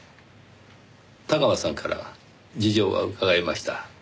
田川さんから事情は伺いました。